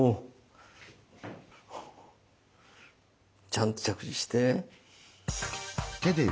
ちゃんと着地して。